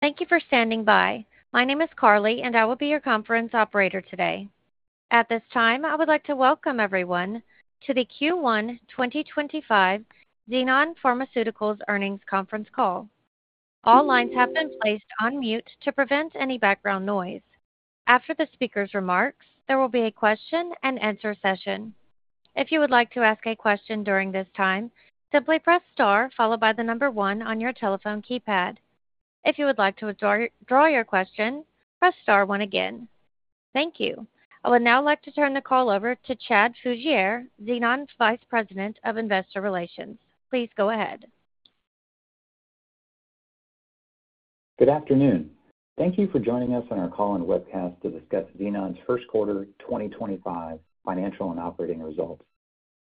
Thank you for standing by. My name is Carly, and I will be your conference operator today. At this time, I would like to welcome everyone to the Q1 2025 Xenon Pharmaceuticals Earnings Conference Call. All lines have been placed on mute to prevent any background noise. After the speaker's remarks, there will be a question-and-answer session. If you would like to ask a question during this time, simply press star followed by the number one on your telephone keypad. If you would like to withdraw your question, press star one again. Thank you. I would now like to turn the call over to Chad Fugere, Xenon's Vice President of Investor Relations. Please go ahead. Good afternoon. Thank you for joining us on our call and webcast to discuss Xenon's first quarter 2025 financial and operating results.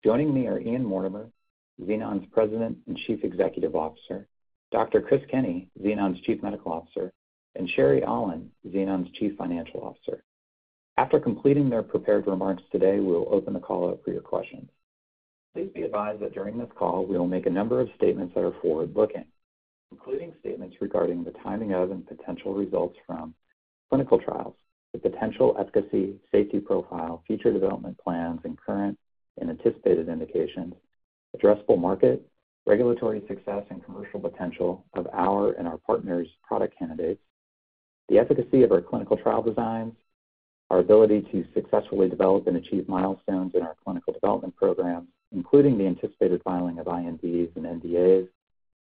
Joining me are Ian Mortimer, Xenon's President and Chief Executive Officer, Dr. Chris Kenney, Xenon's Chief Medical Officer, and Sherry Allen, Xenon's Chief Financial Officer. After completing their prepared remarks today, we will open the call up for your questions. Please be advised that during this call, we will make a number of statements that are forward-looking, including statements regarding the timing of and potential results from clinical trials, the potential efficacy, safety profile, future development plans, and current and anticipated indications, addressable market, regulatory success, and commercial potential of our and our partners' product candidates, the efficacy of our clinical trial designs, our ability to successfully develop and achieve milestones in our clinical development programs, including the anticipated filing of INDs and NDAs,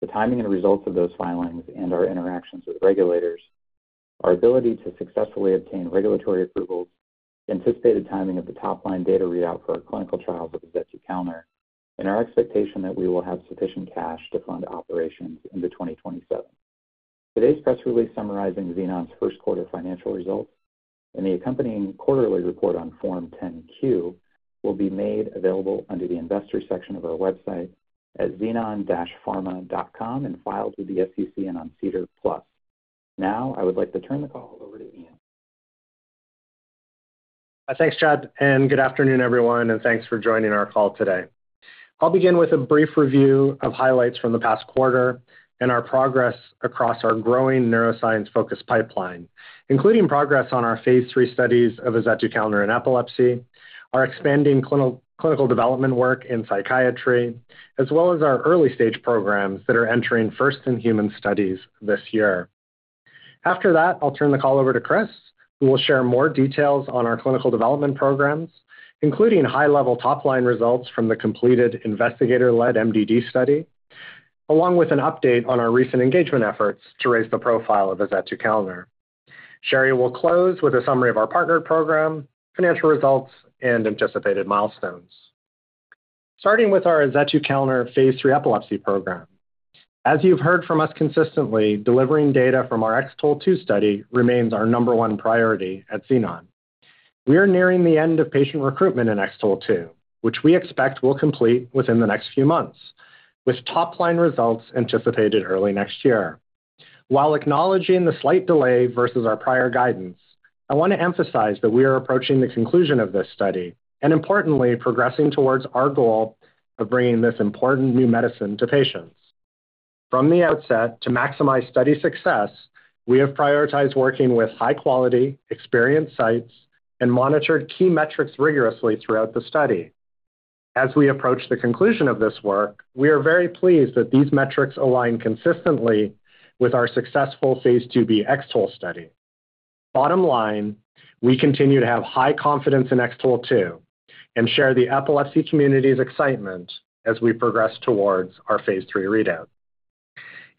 the timing and results of those filings, and our interactions with regulators, our ability to successfully obtain regulatory approvals, the anticipated timing of the top-line data readout for our clinical trials of azetukalner, and our expectation that we will have sufficient cash to fund operations into 2027. Today's press release summarizing Xenon's first quarter financial results and the accompanying quarterly report on Form 10-Q will be made available under the Investor section of our website at xenon-pharma.com and filed with the SEC and on SEDAR+. Now, I would like to turn the call over to Ian. Thanks, Chad, and good afternoon, everyone, and thanks for joining our call today. I'll begin with a brief review of highlights from the past quarter and our progress across our growing neuroscience-focused pipeline, including progress on our phase three studies of azetukalner in epilepsy, our expanding clinical development work in psychiatry, as well as our early-stage programs that are entering first-in-human studies this year. After that, I'll turn the call over to Chris, who will share more details on our clinical development programs, including high-level top-line results from the completed investigator-led MDD study, along with an update on our recent engagement efforts to raise the profile of azetukalner. Sherry will close with a summary of our partnered program, financial results, and anticipated milestones. Starting with our azetukalner phase three epilepsy program. As you've heard from us consistently, delivering data from our XTOL-2 study remains our number one priority at Xenon. We are nearing the end of patient recruitment in XTOL-2, which we expect we'll complete within the next few months, with top-line results anticipated early next year. While acknowledging the slight delay versus our prior guidance, I want to emphasize that we are approaching the conclusion of this study and, importantly, progressing towards our goal of bringing this important new medicine to patients. From the outset, to maximize study success, we have prioritized working with high-quality, experienced sites and monitored key metrics rigorously throughout the study. As we approach the conclusion of this work, we are very pleased that these metrics align consistently with our successful phase 2B XTOL study. Bottom line, we continue to have high confidence in XTOL-2 and share the epilepsy community's excitement as we progress towards our phase three readout.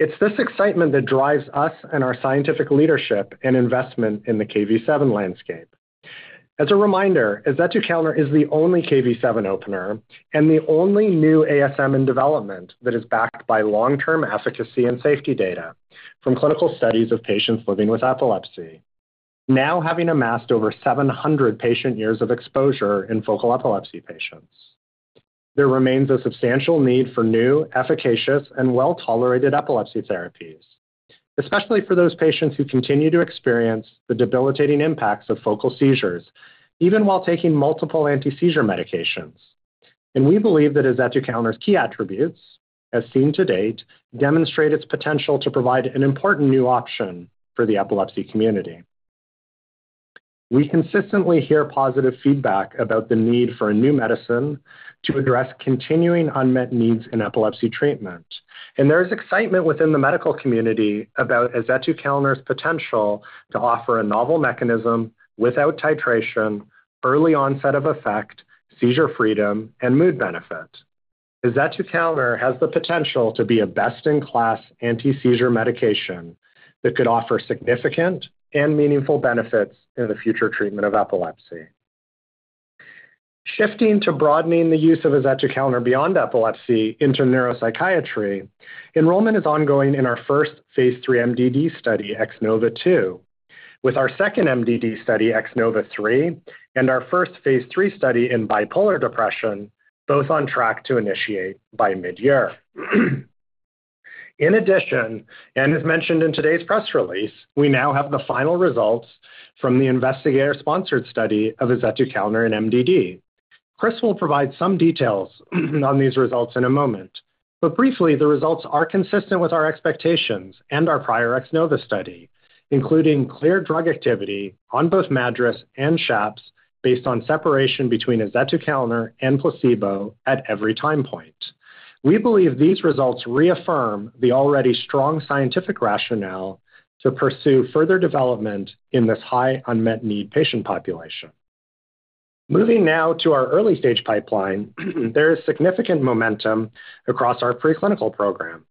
It is this excitement that drives us and our scientific leadership and investment in the Kv7 landscape. As a reminder, Azetukalner is the only Kv7 opener and the only new ASM in development that is backed by long-term efficacy and safety data from clinical studies of patients living with epilepsy, now having amassed over 700 patient years of exposure in focal epilepsy patients. There remains a substantial need for new, efficacious, and well-tolerated epilepsy therapies, especially for those patients who continue to experience the debilitating impacts of focal seizures, even while taking multiple anti-seizure medications. We believe that Azetukalner's key attributes, as seen to date, demonstrate its potential to provide an important new option for the epilepsy community. We consistently hear positive feedback about the need for a new medicine to address continuing unmet needs in epilepsy treatment. There is excitement within the medical community about Azetukalner's potential to offer a novel mechanism without titration, early onset of effect, seizure freedom, and mood benefit. Azetukalner has the potential to be a best-in-class anti-seizure medication that could offer significant and meaningful benefits in the future treatment of epilepsy. Shifting to broadening the use of Azetukalner beyond epilepsy into neuropsychiatry, enrollment is ongoing in our first phase three MDD study, XNOVA-2, with our second MDD study, XNOVA-3, and our first phase three study in bipolar depression, both on track to initiate by mid-year. In addition, as mentioned in today's press release, we now have the final results from the investigator-sponsored study of azetukalner in MDD. Chris will provide some details on these results in a moment. Briefly, the results are consistent with our expectations and our prior XNOVA study, including clear drug activity on both MADRS and SHAPS based on separation between Azetukalner and placebo at every time point. We believe these results reaffirm the already strong scientific rationale to pursue further development in this high unmet need patient population. Moving now to our early-stage pipeline, there is significant momentum across our preclinical programs,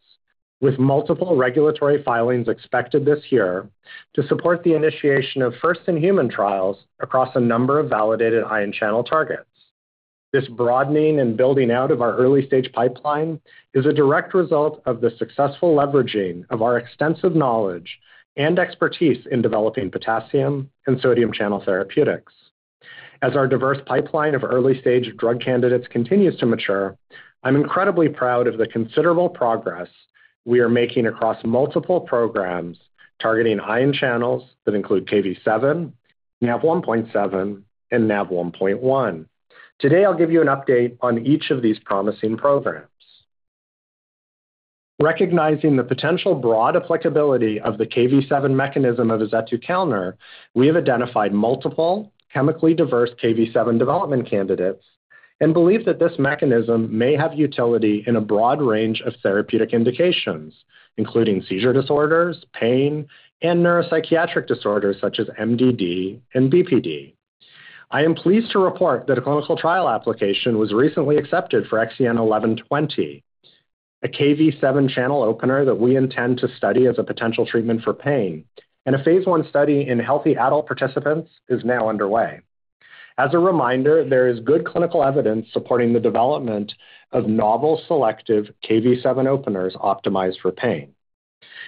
with multiple regulatory filings expected this year to support the initiation of first-in-human trials across a number of validated ion channel targets. This broadening and building out of our early-stage pipeline is a direct result of the successful leveraging of our extensive knowledge and expertise in developing potassium and sodium channel therapeutics. As our diverse pipeline of early-stage drug candidates continues to mature, I'm incredibly proud of the considerable progress we are making across multiple programs targeting ion channels that include Kv7, Nav1.7, and Nav1.1. Today, I'll give you an update on each of these promising programs. Recognizing the potential broad applicability of the Kv7 mechanism of Azetukalner, we have identified multiple chemically diverse Kv7 development candidates and believe that this mechanism may have utility in a broad range of therapeutic indications, including seizure disorders, pain, and neuropsychiatric disorders such as MDD and BPD. I am pleased to report that a clinical trial application was recently accepted for XEN1120, a Kv7 channel opener that we intend to study as a potential treatment for pain, and a phase one study in healthy adult participants is now underway. As a reminder, there is good clinical evidence supporting the development of novel selective Kv7 openers optimized for pain.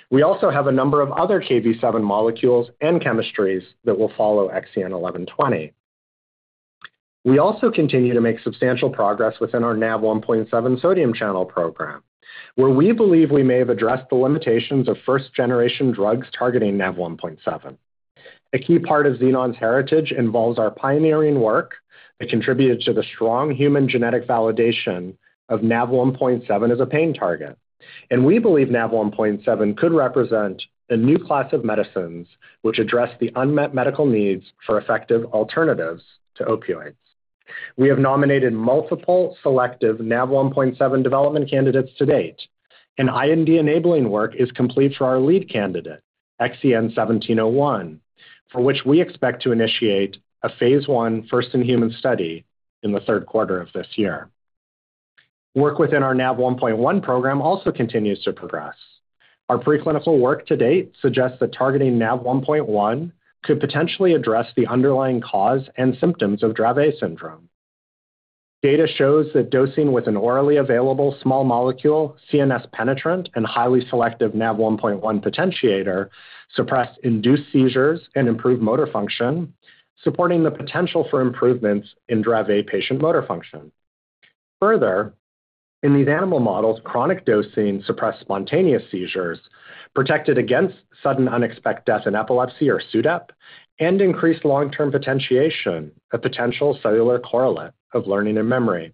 We also have a number of other Kv7 molecules and chemistries that will follow XEN1120. We also continue to make substantial progress within our Nav1.7 sodium channel program, where we believe we may have addressed the limitations of first-generation drugs targeting Nav1.7. A key part of Xenon's heritage involves our pioneering work that contributed to the strong human genetic validation of Nav1.7 as a pain target. We believe Nav1.7 could represent a new class of medicines which address the unmet medical needs for effective alternatives to opioids. We have nominated multiple selective NAav1.7 development candidates to date, and IND enabling work is complete for our lead candidate, XEN1701, for which we expect to initiate a phase one first-in-human study in the third quarter of this year. Work within our Nav1.1 program also continues to progress. Our preclinical work to date suggests that targeting Nav1.1 could potentially address the underlying cause and symptoms of Dravet syndrome. Data shows that dosing with an orally available small molecule, CNS penetrant, and highly selective Nav1.1 potentiator suppress induced seizures and improve motor function, supporting the potential for improvements in Dravet patient motor function. Further, in these animal models, chronic dosing suppressed spontaneous seizures, protected against sudden unexpected death in epilepsy or SUDEP, and increased long-term potentiation, a potential cellular correlate of learning and memory.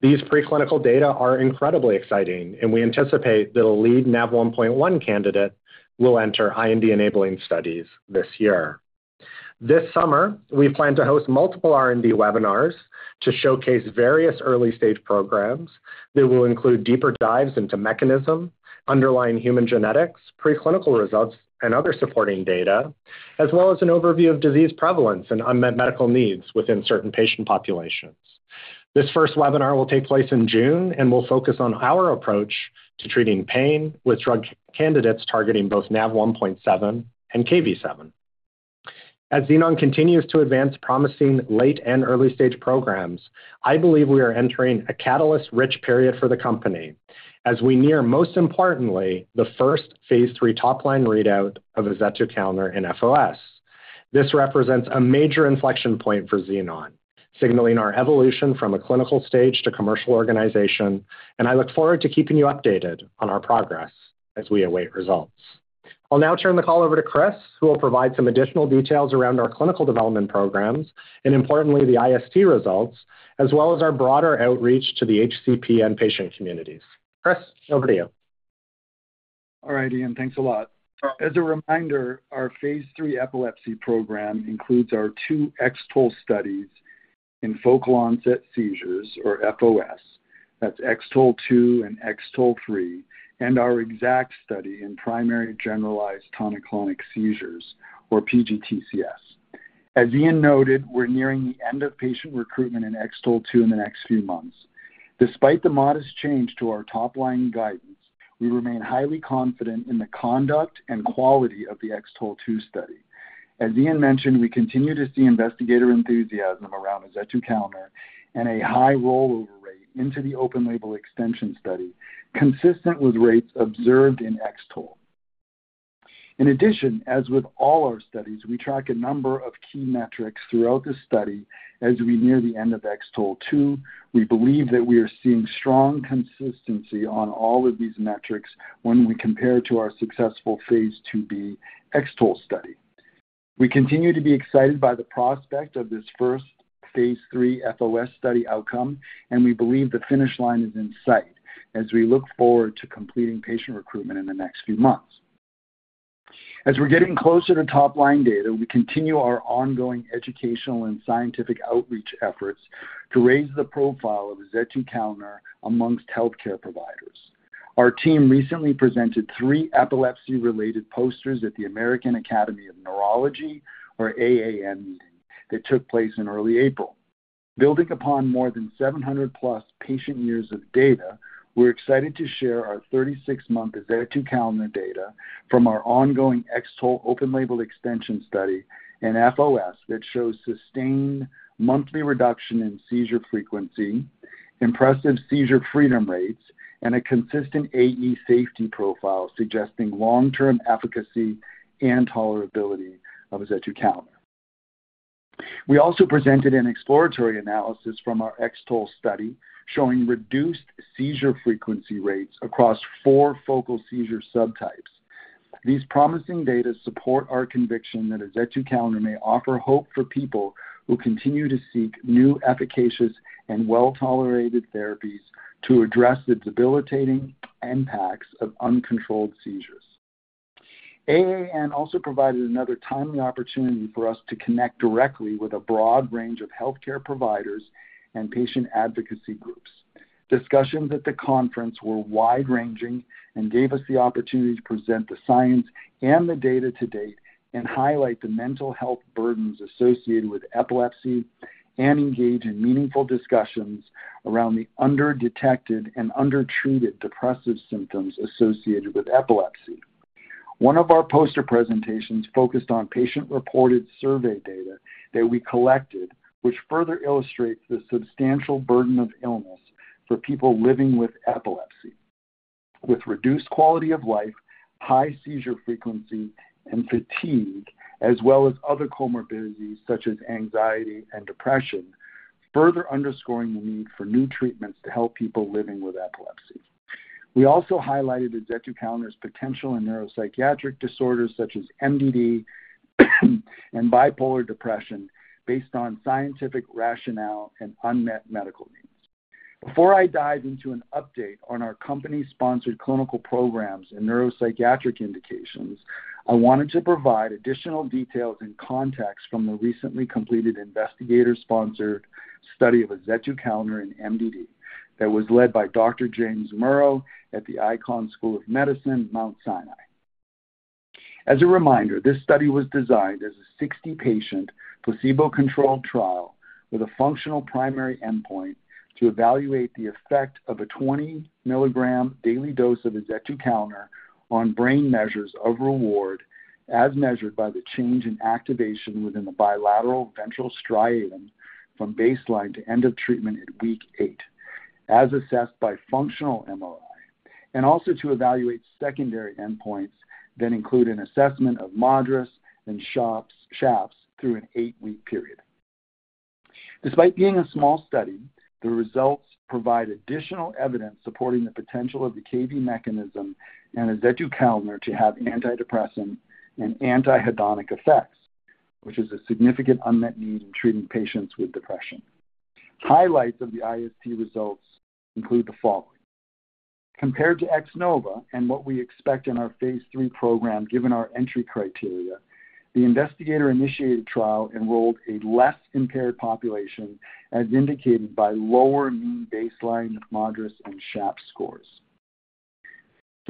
These preclinical data are incredibly exciting, and we anticipate that a lead Nav1.1 candidate will enter IND enabling studies this year. This summer, we plan to host multiple R&D webinars to showcase various early-stage programs that will include deeper dives into mechanism, underlying human genetics, preclinical results, and other supporting data, as well as an overview of disease prevalence and unmet medical needs within certain patient populations. This first webinar will take place in June and will focus on our approach to treating pain with drug candidates targeting both Nav1.7 and Kv7. As Xenon continues to advance promising late and early-stage programs, I believe we are entering a catalyst-rich period for the company as we near most importantly the first phase three top-line readout of azetukalner in FOS. This represents a major inflection point for Xenon, signaling our evolution from a clinical stage to commercial organization, and I look forward to keeping you updated on our progress as we await results. I'll now turn the call over to Chris, who will provide some additional details around our clinical development programs and, importantly, the IST results, as well as our broader outreach to the HCP and patient communities. Chris, over to you. All right, Ian, thanks a lot. As a reminder, our phase three epilepsy program includes our two XTOL studies in focal onset seizures, or FOS. That's XTOL-2 and XTOL-3, and our EXACT study in primary generalized tonic-clonic seizures, or PGTCS. As Ian noted, we're nearing the end of patient recruitment in XTOL-2 in the next few months. Despite the modest change to our top-line guidance, we remain highly confident in the conduct and quality of the XTOL-2 study. As Ian mentioned, we continue to see investigator enthusiasm around azetukalner and a high rollover rate into the open-label extension study, consistent with rates observed in XTOL. In addition, as with all our studies, we track a number of key metrics throughout the study as we near the end of XTOL-2. We believe that we are seeing strong consistency on all of these metrics when we compare to our successful phase 2B X-TOLE study. We continue to be excited by the prospect of this first phase three FOS study outcome, and we believe the finish line is in sight as we look forward to completing patient recruitment in the next few months. As we're getting closer to top-line data, we continue our ongoing educational and scientific outreach efforts to raise the profile of Azetukalner amongst healthcare providers. Our team recently presented three epilepsy-related posters at the American Academy of Neurology, or AAN, meeting that took place in early April. Building upon more than 700+ patient years of data, we're excited to share our 36-month azetukalner data from our ongoing XTOL open-label extension study in FOS that shows sustained monthly reduction in seizure frequency, impressive seizure freedom rates, and a consistent AE safety profile suggesting long-term efficacy and tolerability of azetukalner. We also presented an exploratory analysis from our XTOL study showing reduced seizure frequency rates across four focal seizure subtypes. These promising data support our conviction that azetukalner may offer hope for people who continue to seek new efficacious and well-tolerated therapies to address the debilitating impacts of uncontrolled seizures. AAN also provided another timely opportunity for us to connect directly with a broad range of healthcare providers and patient advocacy groups. Discussions at the conference were wide-ranging and gave us the opportunity to present the science and the data to date and highlight the mental health burdens associated with epilepsy and engage in meaningful discussions around the underdetected and undertreated depressive symptoms associated with epilepsy. One of our poster presentations focused on patient-reported survey data that we collected, which further illustrates the substantial burden of illness for people living with epilepsy, with reduced quality of life, high seizure frequency, and fatigue, as well as other comorbidities such as anxiety and depression, further underscoring the need for new treatments to help people living with epilepsy. We also highlighted azetukalner's potential in neuropsychiatric disorders such as MDD and bipolar depression based on scientific rationale and unmet medical needs. Before I dive into an update on our company-sponsored clinical programs and neuropsychiatric indications, I wanted to provide additional details and context from the recently completed investigator-sponsored study of azetukalner in MDD that was led by Dr. James Murrough at the Icahn School of Medicine, Mount Sinai. As a reminder, this study was designed as a 60-patient placebo-controlled trial with a functional primary endpoint to evaluate the effect of a 20 mg daily dose of azetukalner on brain measures of reward as measured by the change in activation within the bilateral ventral striatum from baseline to end of treatment at week eight, as assessed by functional MRI, and also to evaluate secondary endpoints that include an assessment of MADRS and SHAPS through an eight-week period. Despite being a small study, the results provide additional evidence supporting the potential of the Kv7 mechanism and azetukalner to have antidepressant and antihedonic effects, which is a significant unmet need in treating patients with depression. Highlights of the IST results include the following. Compared to XNOVA and what we expect in our phase three program, given our entry criteria, the investigator-initiated trial enrolled a less impaired population, as indicated by lower mean baseline MADRS and SHAPS scores.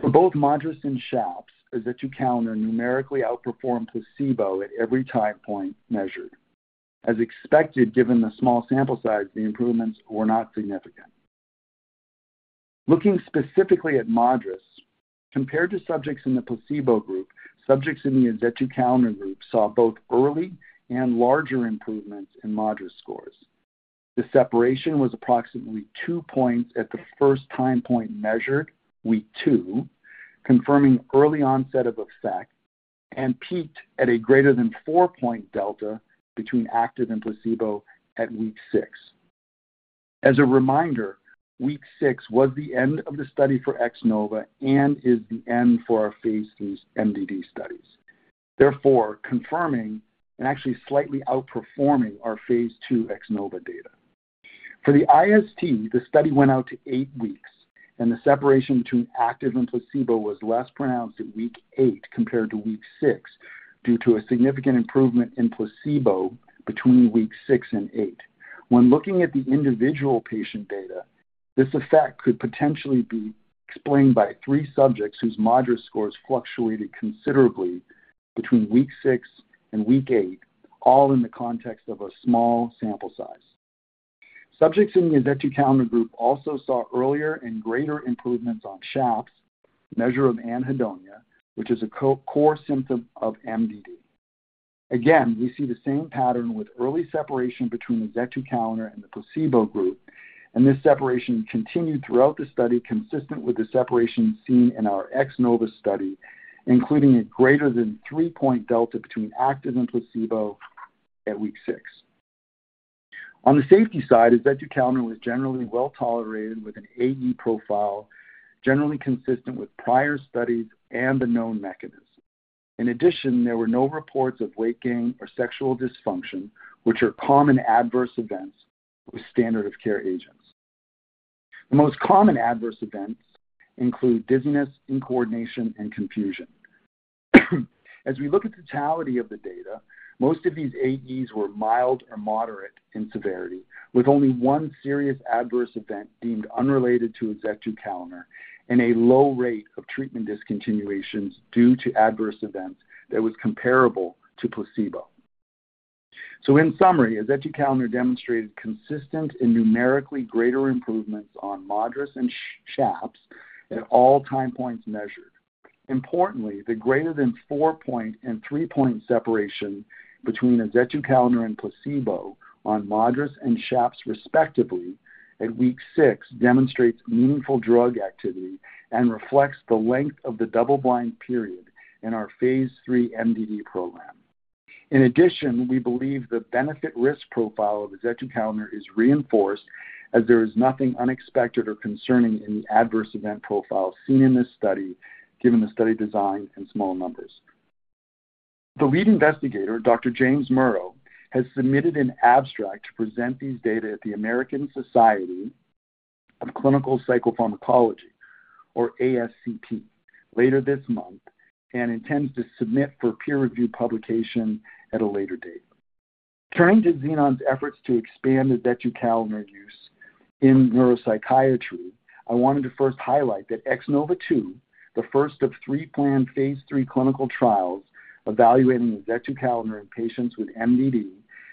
For both MADRS and SHAPS, azetukalner numerically outperformed placebo at every time point measured. As expected, given the small sample size, the improvements were not significant. Looking specifically at MADRS, compared to subjects in the placebo group, subjects in the azetukalner group saw both early and larger improvements in MADRS scores. The separation was approximately two points at the first time point measured, week two, confirming early onset of effect and peaked at a greater than four-point delta between active and placebo at week six. As a reminder, week six was the end of the study for XNOVA and is the end for our phase three MDD studies, therefore confirming and actually slightly outperforming our phase two XNOVA data. For the IST, the study went out to eight weeks, and the separation between active and placebo was less pronounced at week eight compared to week six due to a significant improvement in placebo between week six and eight. When looking at the individual patient data, this effect could potentially be explained by three subjects whose MADRS scores fluctuated considerably between week six and week eight, all in the context of a small sample size. Subjects in the azetukalner group also saw earlier and greater improvements on SHAPS, a measure of anhedonia, which is a core symptom of MDD. Again, we see the same pattern with early separation between the Azetukalner and the placebo group, and this separation continued throughout the study, consistent with the separation seen in our XNOVA study, including a greater than three-point delta between active and placebo at week six. On the safety side, azetukalner was generally well tolerated with an AE profile generally consistent with prior studies and the known mechanism. In addition, there were no reports of weight gain or sexual dysfunction, which are common adverse events with standard of care agents. The most common adverse events include dizziness, incoordination, and confusion. As we look at the totality of the data, most of these AEs were mild or moderate in severity, with only one serious adverse event deemed unrelated to azetukalner and a low rate of treatment discontinuations due to adverse events that was comparable to placebo. In summary, azetukalner demonstrated consistent and numerically greater improvements on MADRS and SHAPS at all time points measured. Importantly, the greater than four-point and three-point separation between azetukalner and placebo on MADRS and SHAPS, respectively, at week six demonstrates meaningful drug activity and reflects the length of the double-blind period in our phase three MDD program. In addition, we believe the benefit-risk profile of azetukalner is reinforced as there is nothing unexpected or concerning in the adverse event profile seen in this study, given the study design and small numbers. The lead investigator, Dr. James Murrough has submitted an abstract to present these data at the American Society of Clinical Psychopharmacology, or ASCP, later this month and intends to submit for peer-review publication at a later date. Turning to Xenon's efforts to expand the azetukalner use in neuropsychiatry, I wanted to first highlight that XNOVA-2, the first of three planned phase three clinical trials evaluating the azetukalner in patients with MDD,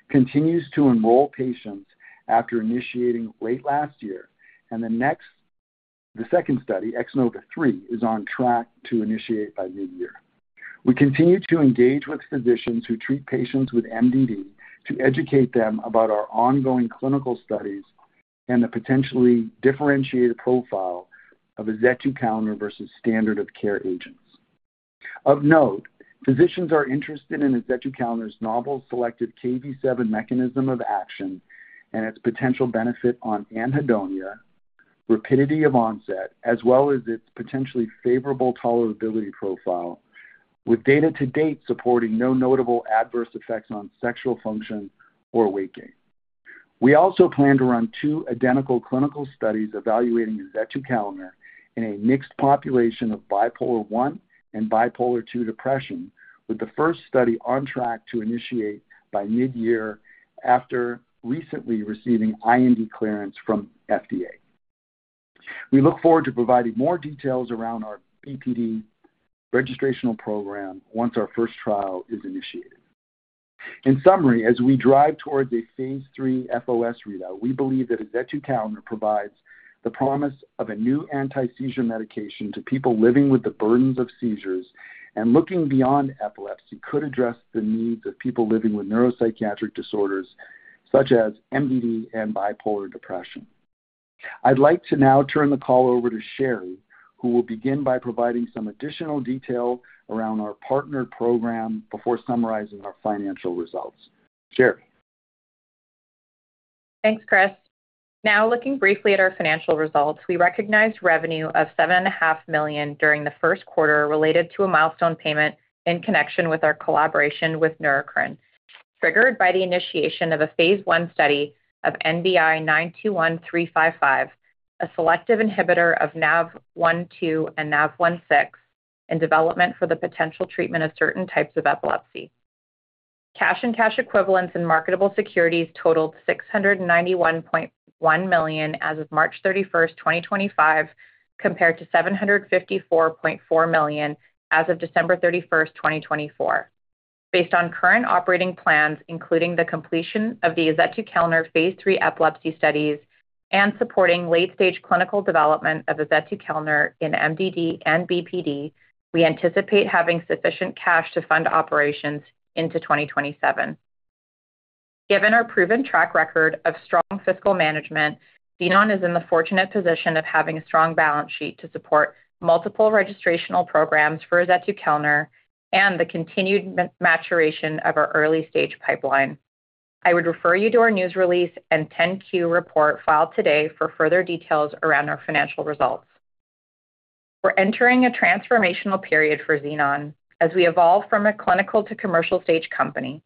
continues to enroll patients after initiating late last year, and the second study, XNOVA-3, is on track to initiate by mid-year. We continue to engage with physicians who treat patients with MDD to educate them about our ongoing clinical studies and the potentially differentiated profile of azetukalner versus standard of care agents. Of note, physicians are interested in Azetukalner's novel selective Kv7 mechanism of action and its potential benefit on anhedonia, rapidity of onset, as well as its potentially favorable tolerability profile, with data to date supporting no notable adverse effects on sexual function or weight gain. We also plan to run two identical clinical studies evaluating Azetukalner in a mixed population of bipolar I and bipolar II depression, with the first study on track to initiate by mid-year after recently receiving IND clearance from FDA. We look forward to providing more details around our BPD registration program once our first trial is initiated. In summary, as we drive towards a phase three FOS readout, we believe that azetukalner provides the promise of a new anti-seizure medication to people living with the burdens of seizures and looking beyond epilepsy could address the needs of people living with neuropsychiatric disorders such as MDD and bipolar depression. I'd like to now turn the call over to Sherry, who will begin by providing some additional detail around our partner program before summarizing our financial results. Sherry. Thanks, Chris. Now, looking briefly at our financial results, we recognized revenue of $7.5 million during the first quarter related to a milestone payment in connection with our collaboration with Neurocrine, triggered by the initiation of a phase one study of NBI-921355, a selective inhibitor of Nav1.2 and Nav1.6, in development for the potential treatment of certain types of epilepsy. Cash and cash equivalents and marketable securities totaled $691.1 million as of March 31st, 2025, compared to $754.4 million as of December 31st, 2024. Based on current operating plans, including the completion of the Azetukalner phase three epilepsy studies and supporting late-stage clinical development of azetukalner in MDD and BPD, we anticipate having sufficient cash to fund operations into 2027. Given our proven track record of strong fiscal management, Xenon is in the fortunate position of having a strong balance sheet to support multiple registrational programs for azetukalner and the continued maturation of our early-stage pipeline. I would refer you to our news release and 10-Q report filed today for further details around our financial results. We're entering a transformational period for Xenon as we evolve from a clinical to commercial-stage company.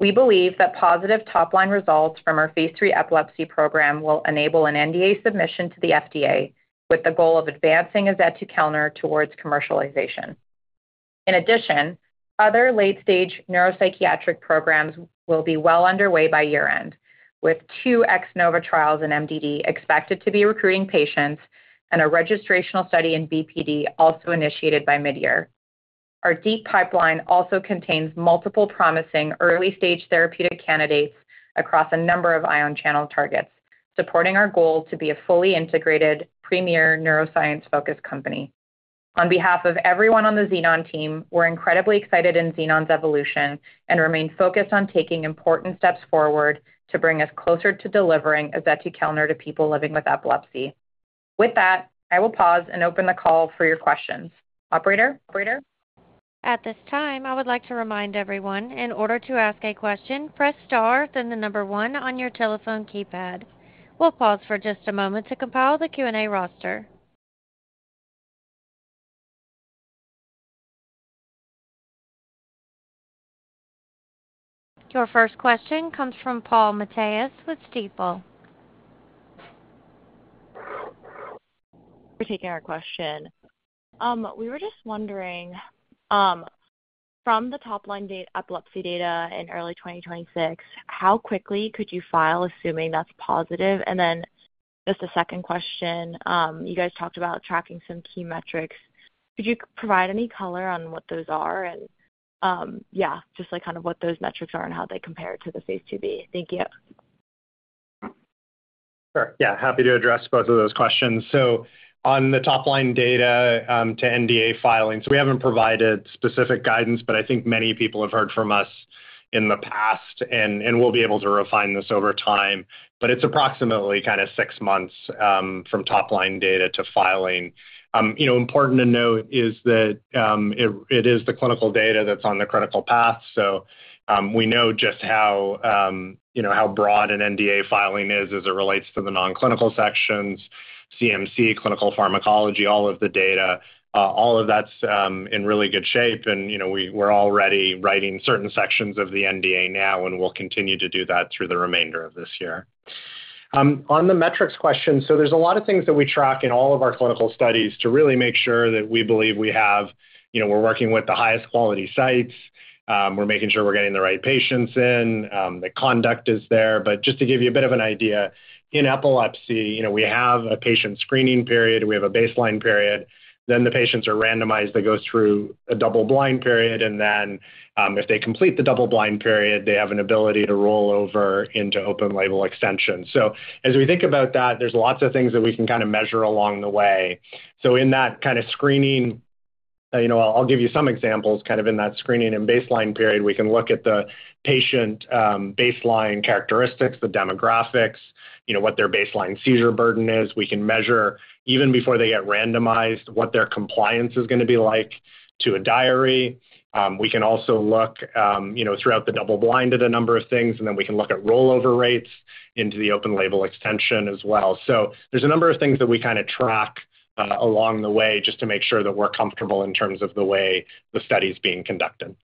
We believe that positive top-line results from our phase three epilepsy program will enable an NDA submission to the FDA with the goal of advancing azetukalner towards commercialization. In addition, other late-stage neuropsychiatric programs will be well underway by year-end, with two XNOVA trials in MDD expected to be recruiting patients and a registrational study in BPD also initiated by mid-year. Our deep pipeline also contains multiple promising early-stage therapeutic candidates across a number of ion channel targets, supporting our goal to be a fully integrated, premier neuroscience-focused company. On behalf of everyone on the Xenon team, we're incredibly excited in Xenon's evolution and remain focused on taking important steps forward to bring us closer to delivering azetukalner to people living with epilepsy. With that, I will pause and open the call for your questions. Operator? At this time, I would like to remind everyone, in order to ask a question, press star, then the number one on your telephone keypad. We'll pause for just a moment to compile the Q&A roster. Your first question comes from Paul Mathews with Stifel. Thank you for taking our question. We were just wondering, from the top-line epilepsy data in early 2026, how quickly could you file, assuming that's positive? And then just a second question, you guys talked about tracking some key metrics. Could you provide any color on what those are and, yeah, just kind of what those metrics are and how they compare to the phase 2B? Thank you. Sure. Yeah, happy to address both of those questions. On the top-line data to NDA filing, we haven't provided specific guidance, but I think many people have heard from us in the past, and we'll be able to refine this over time. It's approximately kind of six months from top-line data to filing. Important to note is that it is the clinical data that's on the critical path. We know just how broad an NDA filing is as it relates to the nonclinical sections, CMC, clinical pharmacology, all of the data. All of that's in really good shape, and we're already writing certain sections of the NDA now, and we'll continue to do that through the remainder of this year. On the metrics question, so there's a lot of things that we track in all of our clinical studies to really make sure that we believe we have—we're working with the highest quality sites, we're making sure we're getting the right patients in, the conduct is there. Just to give you a bit of an idea, in epilepsy, we have a patient screening period, we have a baseline period, then the patients are randomized, they go through a double-blind period, and then if they complete the double-blind period, they have an ability to roll over into open-label extension. As we think about that, there's lots of things that we can kind of measure along the way. In that kind of screening, I'll give you some examples. Kind of in that screening and baseline period, we can look at the patient baseline characteristics, the demographics, what their baseline seizure burden is. We can measure, even before they get randomized, what their compliance is going to be like to a diary. We can also look throughout the double-blind at a number of things, and then we can look at rollover rates into the open-label extension as well. There are a number of things that we kind of track along the way just to make sure that we're comfortable in terms of the way the study's being conducted.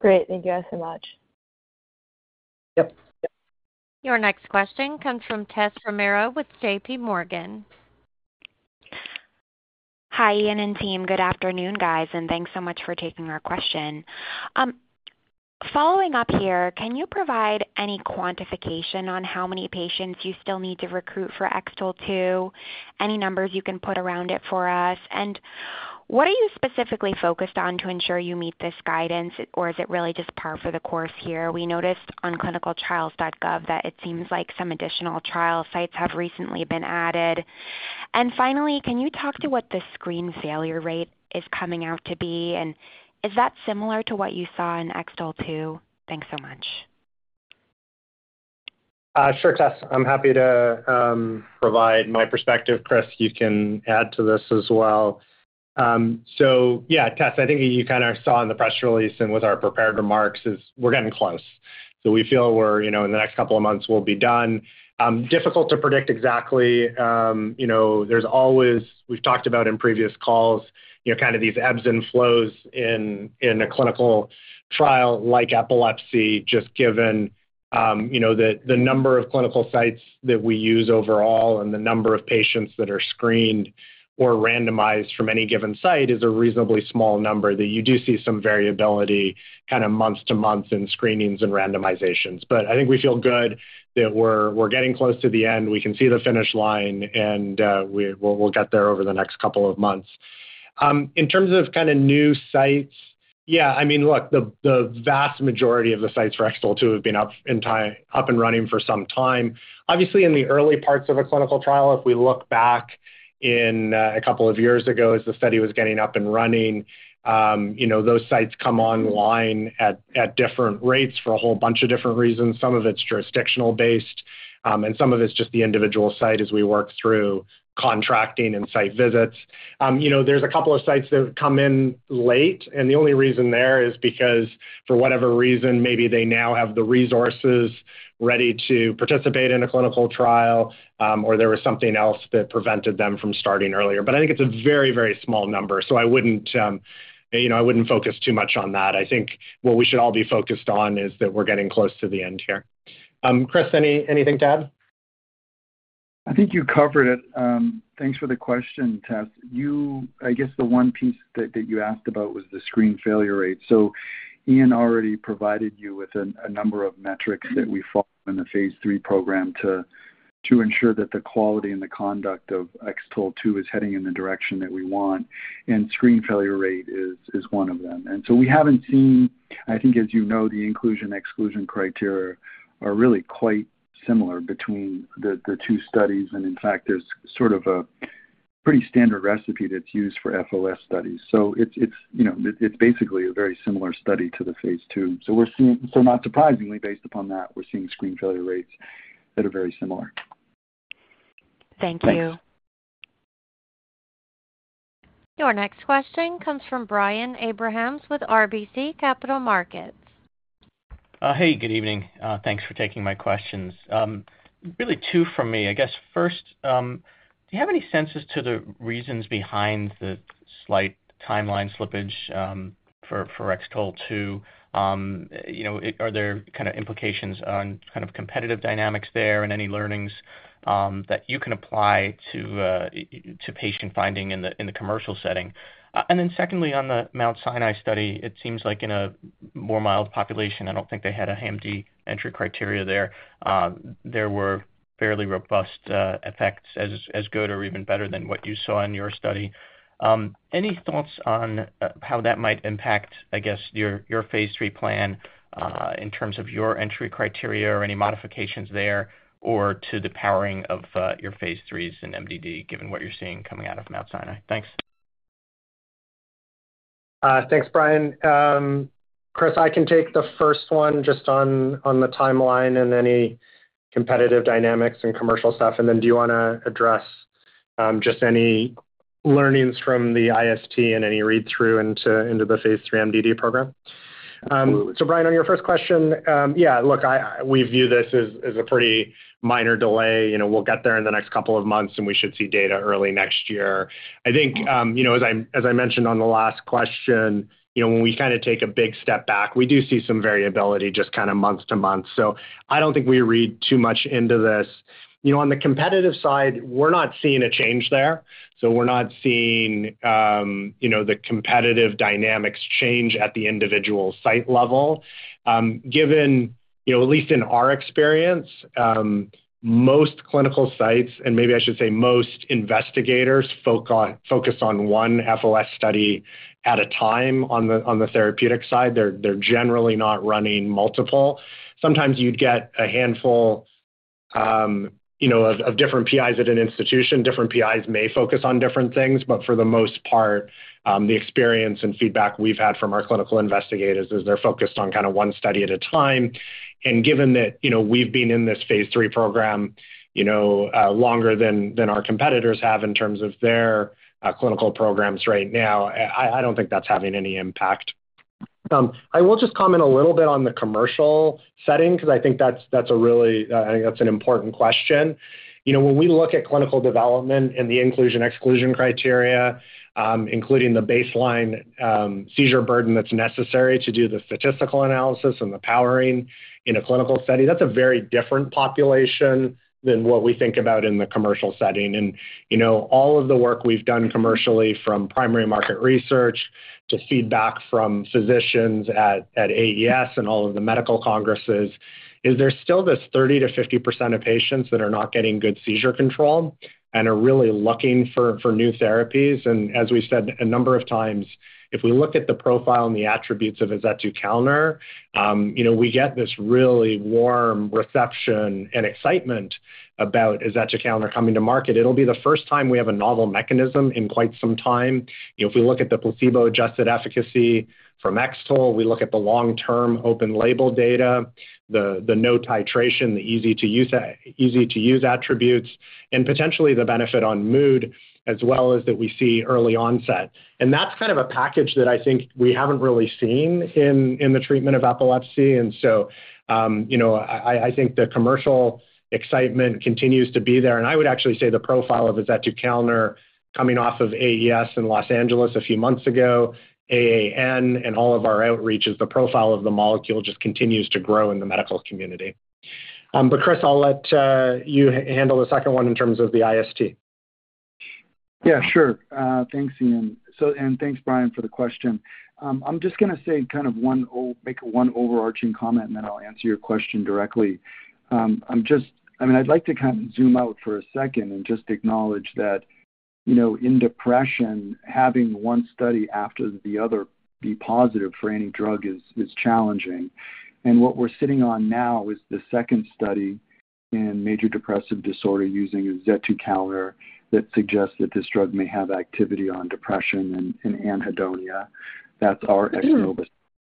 Great. Thank you guys so much. Yep. Your next question comes from Tessa Thomas Romero with JPMorgan Chase & Co. Hi, Ian and team. Good afternoon, guys, and thanks so much for taking our question. Following up here, can you provide any quantification on how many patients you still need to recruit for XTOL-2, any numbers you can put around it for us? What are you specifically focused on to ensure you meet this guidance, or is it really just par for the course here? We noticed on clinicaltrials.gov that it seems like some additional trial sites have recently been added. Finally, can you talk to what the screen failure rate is coming out to be, and is that similar to what you saw in XTOL-2? Thanks so much. Sure, Tess. I'm happy to provide my perspective. Chris, you can add to this as well. Yeah, Tess, I think you kind of saw in the press release and with our prepared remarks is we're getting close. We feel we're in the next couple of months, we'll be done. Difficult to predict exactly. There's always—we've talked about in previous calls kind of these ebbs and flows in a clinical trial like epilepsy, just given the number of clinical sites that we use overall and the number of patients that are screened or randomized from any given site is a reasonably small number that you do see some variability kind of month to month in screenings and randomizations. I think we feel good that we're getting close to the end. We can see the finish line, and we'll get there over the next couple of months. In terms of kind of new sites, yeah, I mean, look, the vast majority of the sites for XTOL-2 have been up and running for some time. Obviously, in the early parts of a clinical trial, if we look back a couple of years ago as the study was getting up and running, those sites come online at different rates for a whole bunch of different reasons. Some of it is jurisdictional-based, and some of it is just the individual site as we work through contracting and site visits. There are a couple of sites that come in late, and the only reason there is because, for whatever reason, maybe they now have the resources ready to participate in a clinical trial, or there was something else that prevented them from starting earlier. I think it is a very, very small number, so I would not focus too much on that. I think what we should all be focused on is that we are getting close to the end here. Chris, anything to add? I think you covered it. Thanks for the question, Tess. I guess the one piece that you asked about was the screen failure rate. Ian already provided you with a number of metrics that we follow in the phase three program to ensure that the quality and the conduct of XTOL-2 is heading in the direction that we want, and screen failure rate is one of them. We have not seen, I think, as you know, the inclusion/exclusion criteria are really quite similar between the two studies, and in fact, there is sort of a pretty standard recipe that is used for FOS studies. It is basically a very similar study to the phase two. Not surprisingly, based upon that, we are seeing screen failure rates that are very similar. Thank you. Thanks. Your next question comes from Brian Abrahams with RBC Capital Markets. Hey, good evening. Thanks for taking my questions. Really two for me. I guess first, do you have any senses to the reasons behind the slight timeline slippage for XTOL-2? Are there kind of implications on kind of competitive dynamics there and any learnings that you can apply to patient finding in the commercial setting? Then secondly, on the Mount Sinai study, it seems like in a more mild population—I do not think they had a HAMD entry criteria there—there were fairly robust effects, as good or even better than what you saw in your study. Any thoughts on how that might impact, I guess, your phase three plan in terms of your entry criteria or any modifications there or to the powering of your phase threes in MDD, given what you are seeing coming out of Mount Sinai? Thanks. Thanks, Brian. Chris, I can take the first one just on the timeline and any competitive dynamics and commercial stuff. Do you want to address just any learnings from the IST and any read-through into the phase three MDD program? Absolutely. Brian, on your first question, yeah, look, we view this as a pretty minor delay. We'll get there in the next couple of months, and we should see data early next year. I think, as I mentioned on the last question, when we kind of take a big step back, we do see some variability just kind of month to month. I don't think we read too much into this. On the competitive side, we're not seeing a change there. We're not seeing the competitive dynamics change at the individual site level. Given, at least in our experience, most clinical sites, and maybe I should say most investigators, focus on one FOS study at a time on the therapeutic side, they're generally not running multiple. Sometimes you'd get a handful of different PIs at an institution. Different PIs may focus on different things, but for the most part, the experience and feedback we've had from our clinical investigators is they're focused on kind of one study at a time. Given that we've been in this phase three program longer than our competitors have in terms of their clinical programs right now, I don't think that's having any impact. I will just comment a little bit on the commercial setting because I think that's a really—I think that's an important question. When we look at clinical development and the inclusion/exclusion criteria, including the baseline seizure burden that's necessary to do the statistical analysis and the powering in a clinical study, that's a very different population than what we think about in the commercial setting. All of the work we've done commercially, from primary market research to feedback from physicians at AES and all of the medical congresses, is there's still this 30%-50% of patients that are not getting good seizure control and are really looking for new therapies. As we said a number of times, if we look at the profile and the attributes of azetukalner, we get this really warm reception and excitement about azetukalner coming to market. It'll be the first time we have a novel mechanism in quite some time. If we look at the placebo-adjusted efficacy from XTOL, we look at the long-term open-label data, the no titration, the easy-to-use attributes, and potentially the benefit on mood, as well as that we see early onset. That is kind of a package that I think we haven't really seen in the treatment of epilepsy. I think the commercial excitement continues to be there. I would actually say the profile of azetukalner coming off of AES in Los Angeles a few months ago, AAN, and all of our outreaches, the profile of the molecule just continues to grow in the medical community. Chris, I'll let you handle the second one in terms of the IST. Yeah, sure. Thanks, Ian. Thanks, Brian, for the question. I'm just going to say kind of make one overarching comment, and then I'll answer your question directly. I mean, I'd like to kind of zoom out for a second and just acknowledge that in depression, having one study after the other be positive for any drug is challenging. And what we're sitting on now is the second study in major depressive disorder using azetukalner that suggests that this drug may have activity on depression and anhedonia. That's our XTOL-2.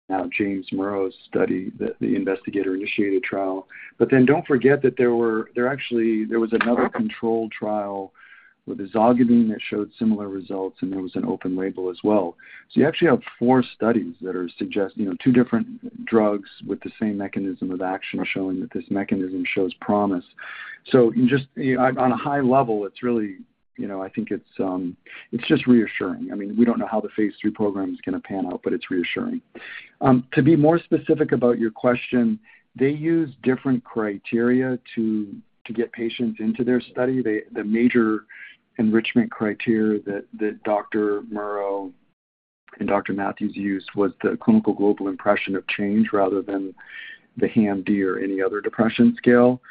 Now, James Murrough's study, the investigator-initiated trial. But then don't forget that there was another controlled trial with ezogabine that showed similar results, and there was an open label as well. So you actually have four studies that are suggesting two different drugs with the same mechanism of action showing that this mechanism shows promise. So on a high level, it's really—I think it's just reassuring. I mean, we don't know how the phase three program is going to pan out, but it's reassuring. To be more specific about your question, they use different criteria to get patients into their study. The major enrichment criteria that Dr. Murrough and Dr. Matthews used was the clinical global impression of change rather than the HAMD or any other depression scale.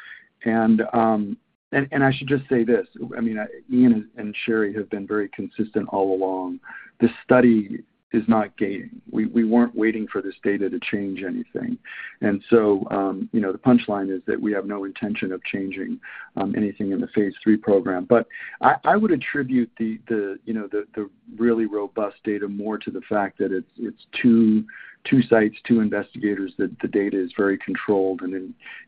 I should just say this. I mean, Ian and Sherry have been very consistent all along. This study is not gating. We were not waiting for this data to change anything. The punchline is that we have no intention of changing anything in the phase three program. I would attribute the really robust data more to the fact that it is two sites, two investigators, that the data is very controlled, and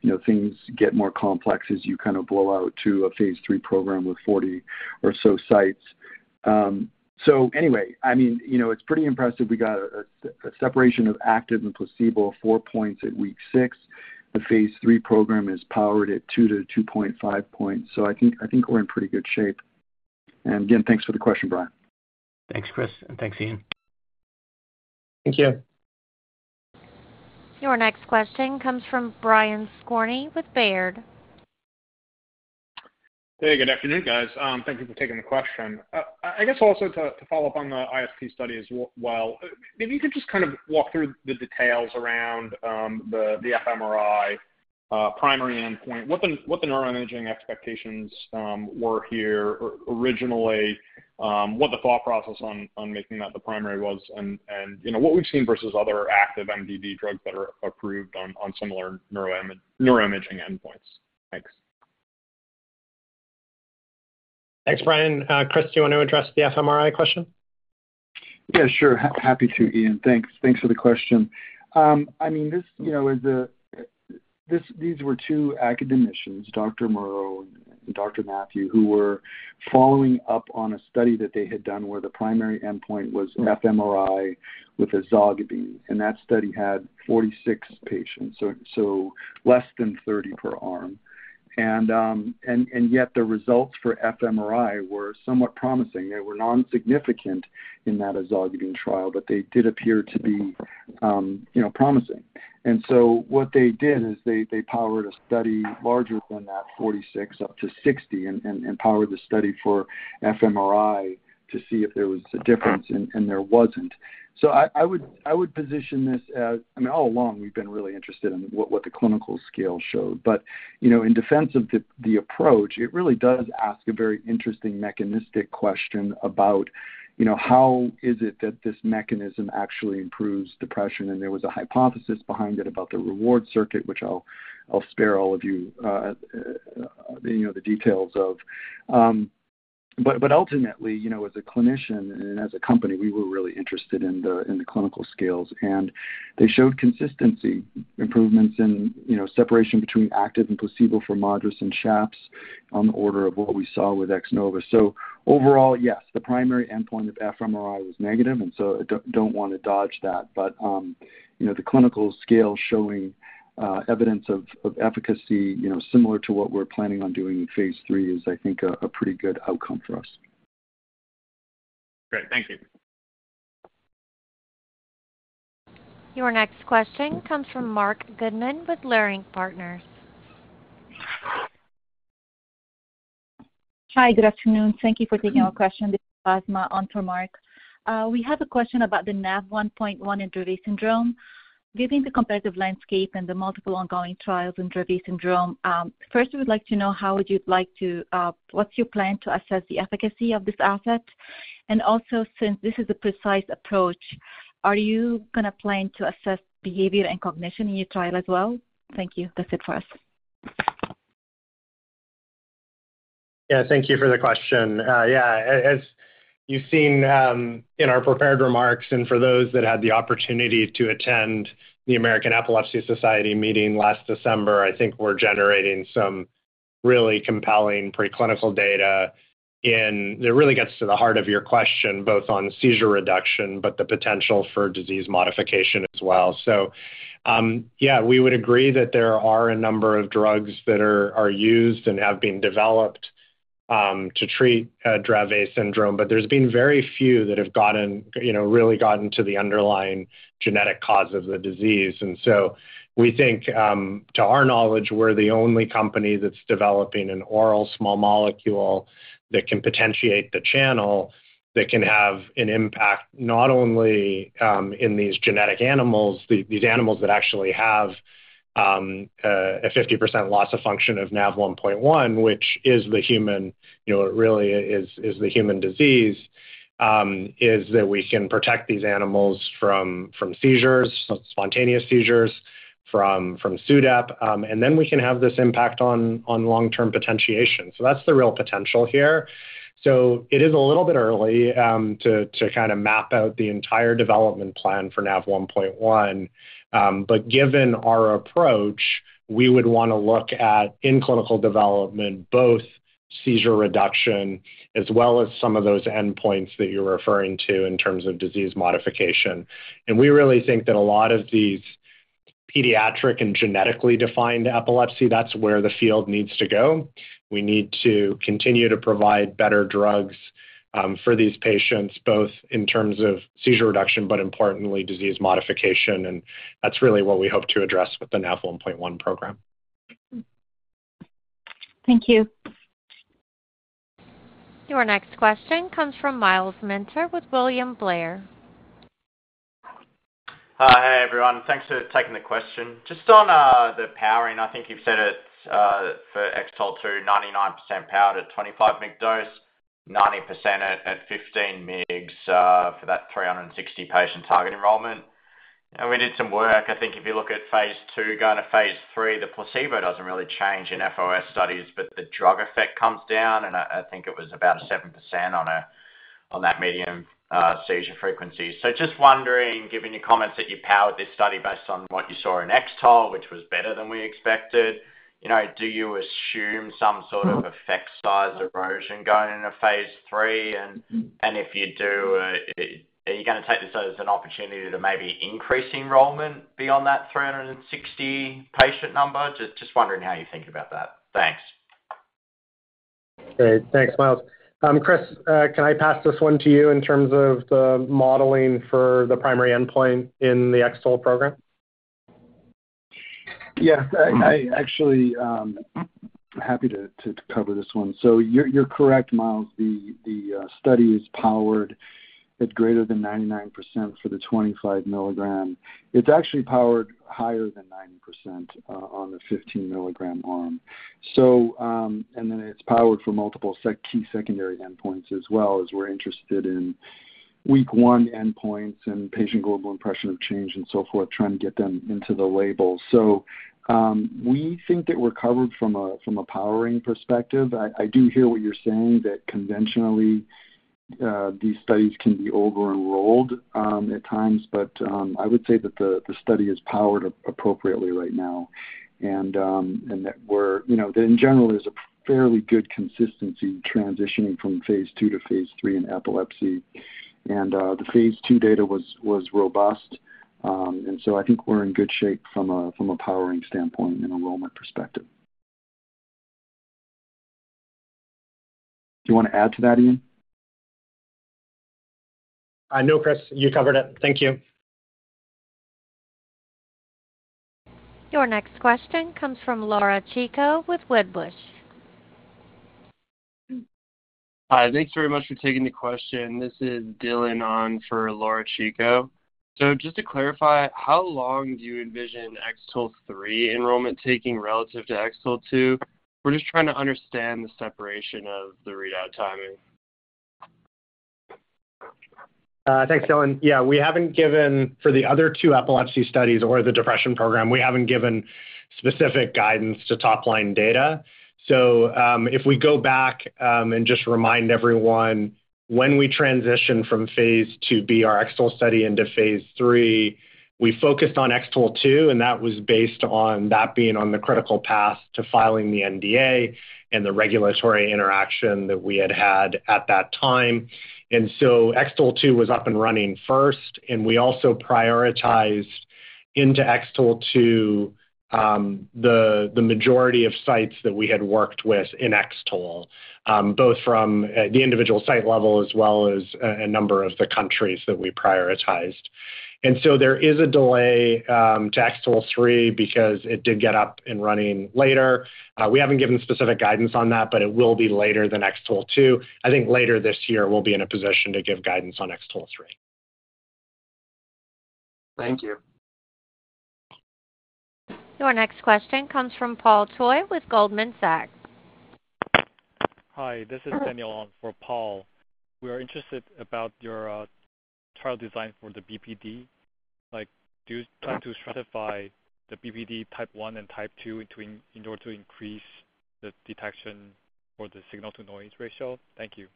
then things get more complex as you kind of blow out to a phase three program with 40 or so sites. Anyway, I mean, it is pretty impressive. We got a separation of active and placebo of four points at week six. The phase three program is powered at two to 2.5 points. I think we're in pretty good shape. Again, thanks for the question, Brian. Thanks, Chris. And thanks, Ian. Thank you. Your next question comes from Brian Skorney with Baird. Hey, good afternoon, guys. Thank you for taking the question. I guess also to follow up on the IST study as well, maybe you could just kind of walk through the details around the fMRI primary endpoint, what the neuroimaging expectations were here originally, what the thought process on making that the primary was, and what we've seen versus other active MDD drugs that are approved on similar neuroimaging endpoints. Thanks. Thanks, Brian. Chris, do you want to address the fMRI question? Yeah, sure. Happy to, Ian. Thanks. Thanks for the question. I mean, these were two academicians, Dr. Murrough and Dr. Matthew, who were following up on a study that they had done where the primary endpoint was fMRI with ezogabine. That study had 46 patients, so less than 30 per arm. Yet the results for fMRI were somewhat promising. They were non-significant in that ezogabine trial, but they did appear to be promising. What they did is they powered a study larger than that 46 up to 60 and powered the study for fMRI to see if there was a difference, and there was not. I would position this as—I mean, all along, we've been really interested in what the clinical scales showed. In defense of the approach, it really does ask a very interesting mechanistic question about how is it that this mechanism actually improves depression. There was a hypothesis behind it about the reward circuit, which I'll spare all of you the details of. Ultimately, as a clinician and as a company, we were really interested in the clinical scales. They showed consistent improvements in separation between active and placebo for MADRS and SHAPS on the order of what we saw with XNOVA. Overall, yes, the primary endpoint of fMRI was negative, and I do not want to dodge that. The clinical scale showing evidence of efficacy similar to what we are planning on doing in phase three is, I think, a pretty good outcome for us. Great. Thank you. Your next question comes from Mark Goodman with Leerink Partners. Hi, good afternoon. Thank you for taking our question. This is Basma. I'm for Marc. We have a question about the Nav1.1 and Dravet syndrome. Given the comparative landscape and the multiple ongoing trials in Dravet syndrome, first, we'd like to know how would you like to—what's your plan to assess the efficacy of this asset? And also, since this is a precise approach, are you going to plan to assess behavior and cognition in your trial as well? Thank you. That's it for us. Yeah, thank you for the question. Yeah, as you've seen in our prepared remarks, and for those that had the opportunity to attend the American Epilepsy Society meeting last December, I think we're generating some really compelling preclinical data. It really gets to the heart of your question, both on seizure reduction but the potential for disease modification as well. Yeah, we would agree that there are a number of drugs that are used and have been developed to treat Dravet syndrome, but there's been very few that have really gotten to the underlying genetic cause of the disease. We think, to our knowledge, we're the only company that's developing an oral small molecule that can potentiate the channel that can have an impact not only in these genetic animals, these animals that actually have a 50% loss of function of Nav1.1, which is the human—it really is the human disease—is that we can protect these animals from seizures, spontaneous seizures, from SUDEP. We can have this impact on long-term potentiation. That's the real potential here. It is a little bit early to kind of map out the entire development plan for Nav1.1. Given our approach, we would want to look at, in clinical development, both seizure reduction as well as some of those endpoints that you're referring to in terms of disease modification. We really think that a lot of these pediatric and genetically defined epilepsy, that's where the field needs to go. We need to continue to provide better drugs for these patients, both in terms of seizure reduction but, importantly, disease modification. That's really what we hope to address with the Nav1.1 program. Thank you. Your next question comes from Miles Minter with William Blair. Hi, everyone. Thanks for taking the question. Just on the powering, I think you've said it's for XTOL-2, 99% powered at 25 mg dose, 90% at 15 mg for that 360-patient target enrollment. We did some work. I think if you look at phase two, going to phase three, the placebo does not really change in FOS studies, but the drug effect comes down. I think it was about 7% on that median seizure frequency. Just wondering, given your comments that you powered this study based on what you saw in XTOL, which was better than we expected, do you assume some sort of effect size erosion going into phase three? If you do, are you going to take this as an opportunity to maybe increase enrollment beyond that 360-patient number? Just wondering how you think about that. Thanks. Great. Thanks, Miles. Chris, can I pass this one to you in terms of the modeling for the primary endpoint in the XTOL program? Yeah. I am actually happy to cover this one. You are correct, Miles. The study is powered at greater than 99% for the 25 mg. It's actually powered higher than 90% on the 15 mg arm. It's powered for multiple key secondary endpoints as well, as we're interested in week one endpoints and patient global impression of change and so forth, trying to get them into the label. We think that we're covered from a powering perspective. I do hear what you're saying that conventionally, these studies can be over-enrolled at times, but I would say that the study is powered appropriately right now and that we're—in general, there's a fairly good consistency transitioning from phase two to phase three in epilepsy. The phase two data was robust. I think we're in good shape from a powering standpoint and enrollment perspective. Do you want to add to that, Ian? I know, Chris. You covered it. Thank you. Your next question comes from Laura Chico with Wedbush. Hi. Thanks very much for taking the question. This is Dylan on for Laura Chico. Just to clarify, how long do you envision XTOL-3 enrollment taking relative to XTOL-2? We're just trying to understand the separation of the readout timing. Thanks, Dylan. Yeah, we haven't given—for the other two epilepsy studies or the depression program, we haven't given specific guidance to top-line data. If we go back and just remind everyone, when we transitioned from phase two BRXL study into phase three, we focused on XTOL-2, and that was based on that being on the critical path to filing the NDA and the regulatory interaction that we had had at that time. XTOL-2 was up and running first. We also prioritized into XTOL-2 the majority of sites that we had worked with in XTOL, both from the individual site level as well as a number of the countries that we prioritized. There is a delay to XTOL-3 because it did get up and running later. We have not given specific guidance on that, but it will be later than XTOL-2. I think later this year, we will be in a position to give guidance on XTOL-3. Thank you. Your next question comes from Paul Toy with Goldman Sachs. Hi. This is Daniel On for Paul. We are interested about your trial design for the BPD. Do you plan to stratify the BPD type one and type two in order to increase the detection or the signal-to-noise ratio? Thank you.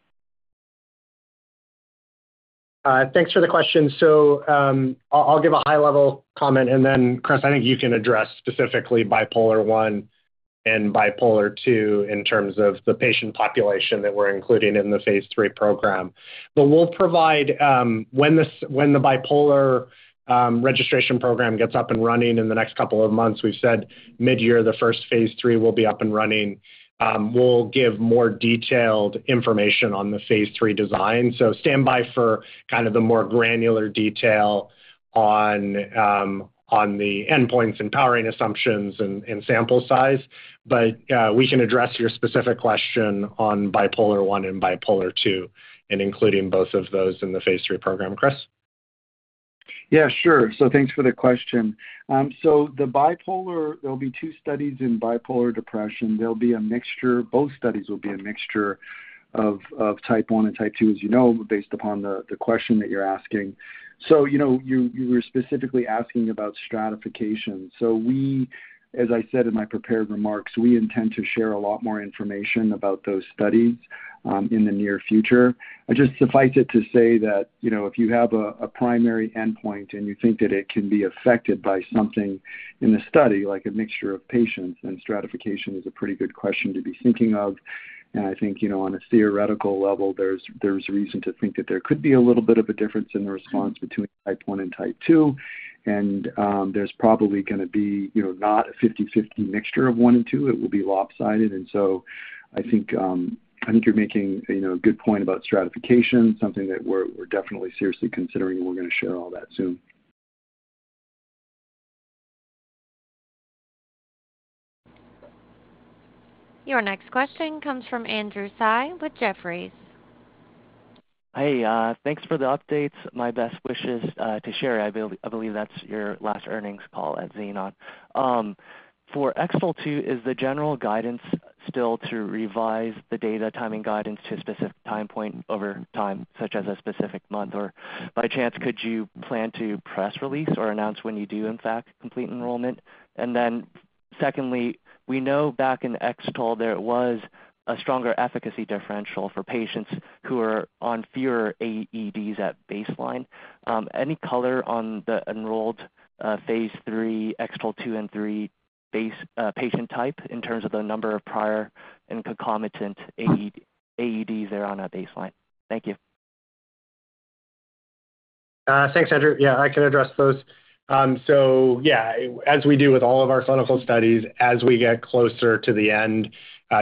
Thanks for the question. I will give a high-level comment. Chris, I think you can address specifically bipolar one and bipolar two in terms of the patient population that we're including in the phase three program. We will provide, when the bipolar registration program gets up and running in the next couple of months—we've said mid-year the first phase three will be up and running—more detailed information on the phase three design. Stand by for the more granular detail on the endpoints and powering assumptions and sample size. We can address your specific question on bipolar one and bipolar two and including both of those in the phase three program, Chris. Yeah, sure. Thanks for the question. There will be two studies in bipolar depression. Both studies will be a mixture of type one and type two, as you know, based upon the question that you're asking. You were specifically asking about stratification. As I said in my prepared remarks, we intend to share a lot more information about those studies in the near future. I just suffice it to say that if you have a primary endpoint and you think that it can be affected by something in the study, like a mixture of patients, then stratification is a pretty good question to be thinking of. I think on a theoretical level, there is reason to think that there could be a little bit of a difference in the response between type one and type two. There is probably going to be not a 50/50 mixture of one and two. It will be lopsided. I think you are making a good point about stratification, something that we are definitely seriously considering. We are going to share all that soon. Your next question comes from Andrew Tsai with Jefferies. Hey, thanks for the updates. My best wishes to Sherry. I believe that's your last earnings call at Xenon. For XTOL-2, is the general guidance still to revise the data timing guidance to a specific time point over time, such as a specific month? By chance, could you plan to press release or announce when you do, in fact, complete enrollment? Secondly, we know back in XTOL there was a stronger efficacy differential for patients who are on fewer AEDs at baseline. Any color on the enrolled phase three XTOL-2 and 3 patient type in terms of the number of prior and concomitant AEDs they're on at baseline? Thank you. Thanks, Andrew. Yeah, I can address those. Yeah, as we do with all of our clinical studies, as we get closer to the end,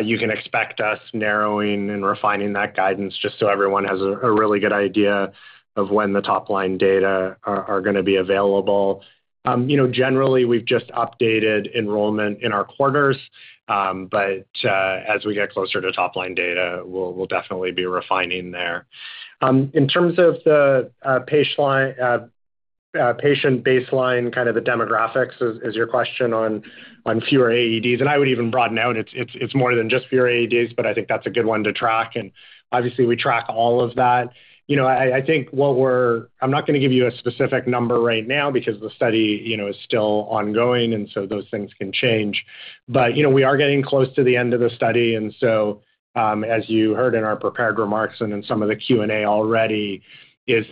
you can expect us narrowing and refining that guidance just so everyone has a really good idea of when the top-line data are going to be available. Generally, we've just updated enrollment in our quarters. As we get closer to top-line data, we'll definitely be refining there. In terms of the patient baseline, kind of the demographics, is your question on fewer AEDs? I would even broaden out. It's more than just fewer AEDs, but I think that's a good one to track. Obviously, we track all of that. I think what we're—I'm not going to give you a specific number right now because the study is still ongoing, and so those things can change. We are getting close to the end of the study. As you heard in our prepared remarks and in some of the Q&A already,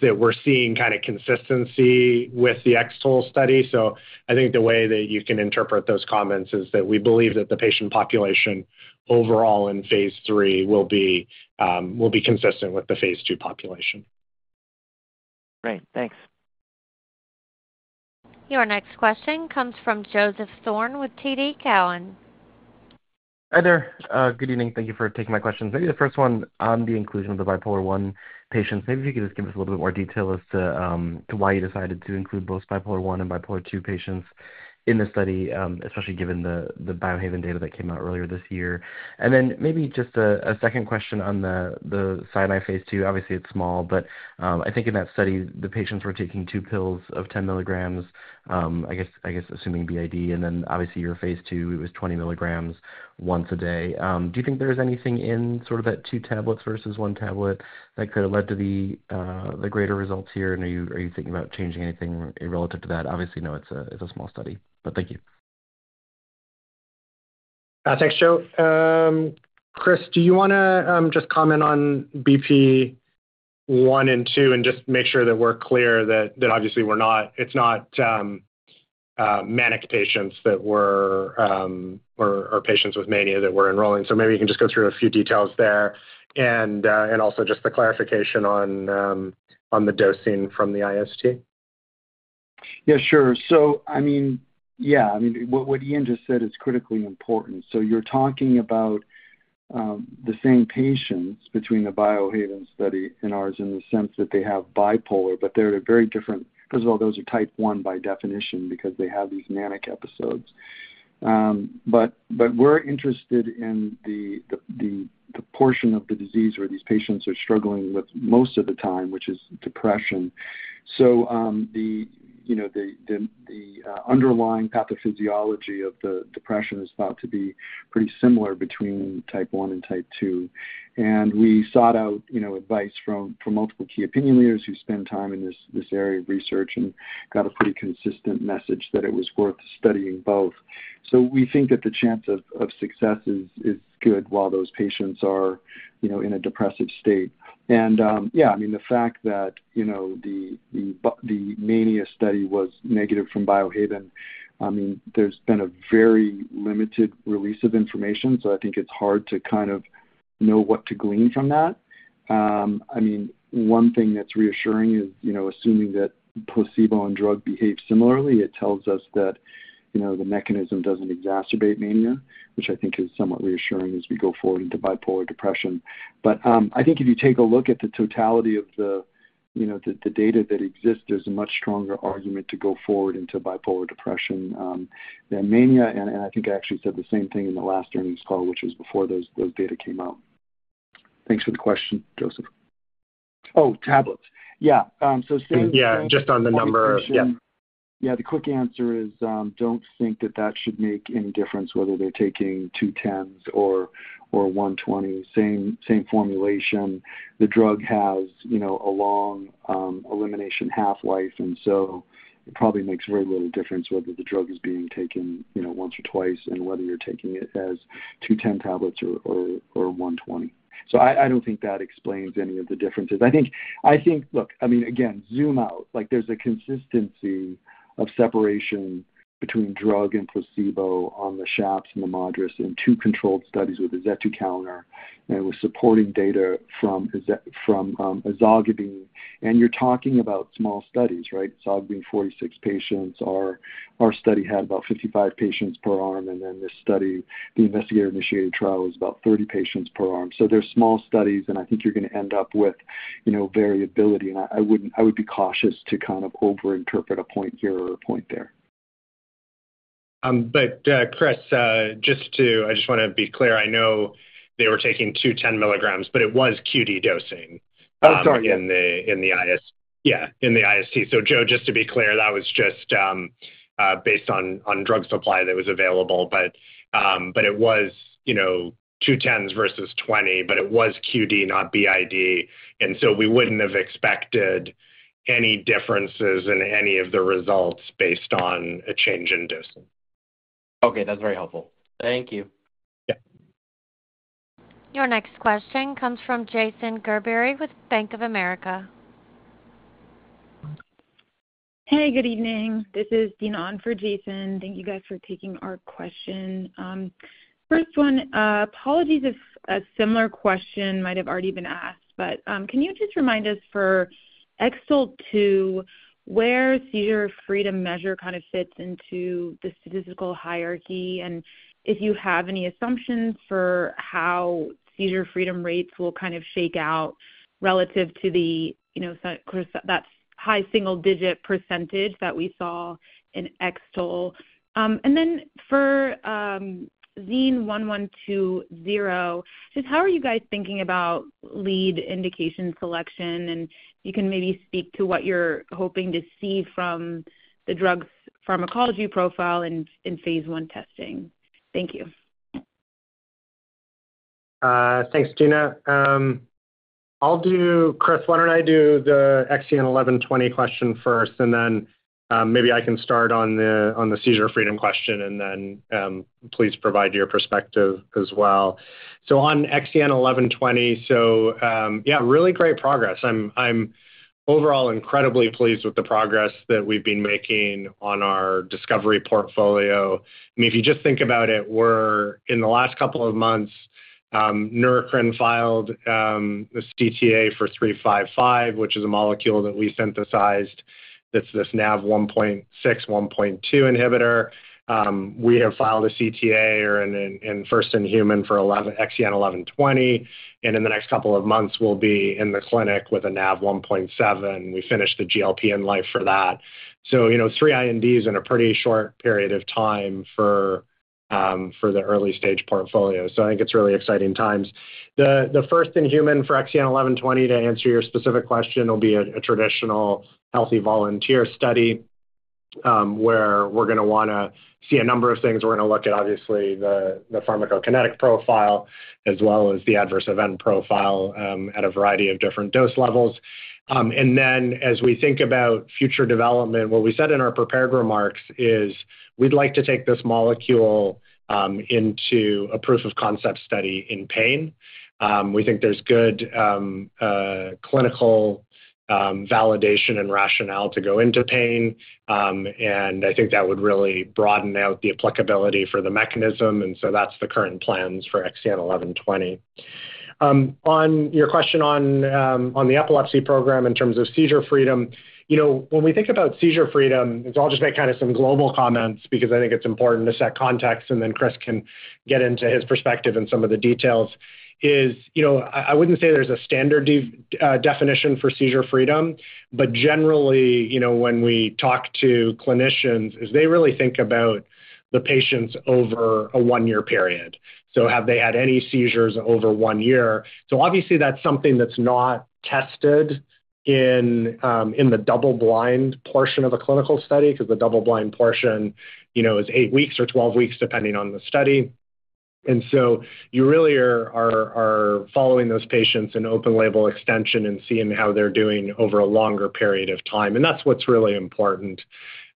we're seeing kind of consistency with the XTOL study. I think the way that you can interpret those comments is that we believe that the patient population overall in phase three will be consistent with the phase two population. Great. Thanks. Your next question comes from Joseph Thome with TD Cowen. Hi there. Good evening. Thank you for taking my questions. Maybe the first one on the inclusion of the bipolar one patients, maybe if you could just give us a little bit more detail as to why you decided to include both bipolar one and bipolar two patients in the study, especially given the Biohaven data that came out earlier this year. And then maybe just a second question on the XEN1101 phase two. Obviously, it's small, but I think in that study, the patients were taking two pills of 10 mg, I guess assuming BID. Obviously, your phase two, it was 20 mg once a day. Do you think there is anything in sort of that two tablets versus one tablet that could have led to the greater results here? Are you thinking about changing anything relative to that? Obviously, no, it's a small study. Thank you. Thanks, Joe. Chris, do you want to just comment on BP1 and 2 and just make sure that we're clear that obviously, it's not manic patients that were or patients with mania that were enrolling? Maybe you can just go through a few details there and also just the clarification on the dosing from the IST. Yeah, sure. I mean, yeah, I mean, what Ian just said is critically important. You're talking about the same patients between the Biohaven study and ours in the sense that they have bipolar, but they're at a very different—first of all, those are type one by definition because they have these manic episodes. We're interested in the portion of the disease where these patients are struggling with most of the time, which is depression. The underlying pathophysiology of the depression is thought to be pretty similar between type one and type two. We sought out advice from multiple key opinion leaders who spend time in this area of research and got a pretty consistent message that it was worth studying both. We think that the chance of success is good while those patients are in a depressive state. Yeah, I mean, the fact that the mania study was negative from Biohaven, I mean, there's been a very limited release of information. I think it's hard to kind of know what to glean from that. One thing that's reassuring is assuming that placebo and drug behave similarly, it tells us that the mechanism doesn't exacerbate mania, which I think is somewhat reassuring as we go forward into bipolar depression. I think if you take a look at the totality of the data that exists, there's a much stronger argument to go forward into bipolar depression than mania. I think I actually said the same thing in the last earnings call, which was before those data came out. Thanks for the question, Joseph. Oh, tablets. Yeah. Same as— Yeah, just on the number of— Yeah. Yeah, the quick answer is I don't think that that should make any difference whether they're taking two 10s or one 20. Same formulation. The drug has a long elimination half-life. And so it probably makes very little difference whether the drug is being taken once or twice and whether you're taking it as two 10 tablets or one 20. I don't think that explains any of the differences. I think, look, I mean, again, zoom out. There's a consistency of separation between drug and placebo on the SHAPS and the MADRS in two controlled studies with azetukalner and with supporting data from ezogabine. You're talking about small studies, right? Ezogabine 46 patients. Our study had about 55 patients per arm. This study, the investigator-initiated trial, was about 30 patients per arm. They're small studies. I think you're going to end up with variability. I would be cautious to kind of over-interpret a point here or a point there. Chris, just to—I just want to be clear. I know they were taking two 10 mg, but it was QD dosing. Oh, sorry. In the IST. Yeah, in the IST. Joe, just to be clear, that was just based on drug supply that was available. It was two 10s versus 20, but it was QD, not BID. We would not have expected any differences in any of the results based on a change in dosing. Okay. That's very helpful. Thank you. Your next question comes from Jason Gerberry with Bank of America. Hey, good evening. This is Dean On for Jason. Thank you guys for taking our question. First one, apologies if a similar question might have already been asked, but can you just remind us for XTOL-2 where seizure-freedom measure kind of fits into the statistical hierarchy? If you have any assumptions for how seizure-freedom rates will kind of shake out relative to that high single-digit percentage that we saw in XTOL. For XEN1120, just how are you guys thinking about lead indication selection? You can maybe speak to what you're hoping to see from the drug's pharmacology profile in phase one testing. Thank you. Thanks, Dean. I'll do—Chris, why don't I do the XEN1120 question first? Maybe I can start on the seizure-freedom question. Please provide your perspective as well. On XEN1120, yeah, really great progress. I'm overall incredibly pleased with the progress that we've been making on our discovery portfolio. I mean, if you just think about it, in the last couple of months, Neurocrine filed a CTA for 355, which is a molecule that we synthesized that's this Nav1.6, 1.2 inhibitor. We have filed a CTA and first in human for XEN1120. In the next couple of months, we'll be in the clinic with a Nav1.7. We finished the GLP enzyme for that. Three INDs in a pretty short period of time for the early-stage portfolio. I think it's really exciting times. The first in human for XEN1120, to answer your specific question, will be a traditional healthy volunteer study where we're going to want to see a number of things. We're going to look at, obviously, the pharmacokinetic profile as well as the adverse event profile at a variety of different dose levels. As we think about future development, what we said in our prepared remarks is we'd like to take this molecule into a proof of concept study in pain. We think there's good clinical validation and rationale to go into pain. I think that would really broaden out the applicability for the mechanism. That's the current plans for XEN1120. On your question on the epilepsy program in terms of seizure-freedom, when we think about seizure-freedom, I'll just make some global comments because I think it's important to set context. Chris can get into his perspective and some of the details. I wouldn't say there's a standard definition for seizure-freedom. Generally, when we talk to clinicians, they really think about the patients over a one-year period. Have they had any seizures over one year? Obviously, that's something that's not tested in the double-blind portion of a clinical study because the double-blind portion is eight weeks or 12 weeks depending on the study. You really are following those patients in open-label extension and seeing how they're doing over a longer period of time. That's what's really important